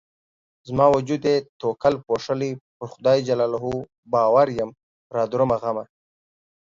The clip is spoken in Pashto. زما وجود يې توکل پوښلی پر خدای ج باور يمه رادرومه غمه